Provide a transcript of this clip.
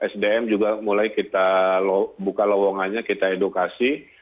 sdm juga mulai kita buka lowongannya kita edukasi